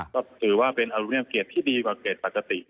ก็ถือว่าเป็นอรุเนียมเกตที่ดีกว่าเกรดปกติ